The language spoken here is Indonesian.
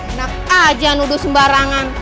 enak aja nuduh sembarangan